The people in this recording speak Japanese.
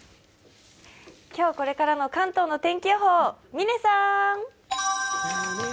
今日これからの関東の天気予報、嶺さん。